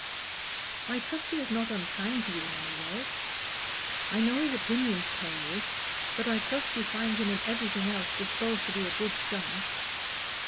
"I trust he is not unkind to you in any way. I know his opinions pain you; but I trust you find him in everything else disposed to be a good son."